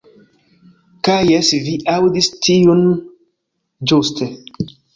Kaj jes vi aŭdis tiun ĵuste.